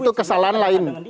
itu kesalahan lain